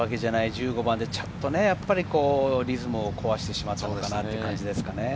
１５番でちょっとリズムを壊してしまったという感じですかね。